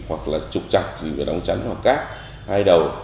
hoặc là trục chặt gì về đồng chắn hoặc cát hai đầu